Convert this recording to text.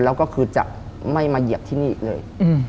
แล้วก็คือจะไม่มาเหยียบที่นี่อีกเลย